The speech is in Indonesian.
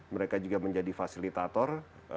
mereka juga menjadi fasilitator